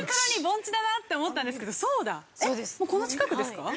この近くですか。